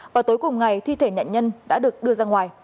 vào tối cùng ngày thi thể nhận nhân đã được đưa ra ngoài